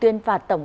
lâu dài hơn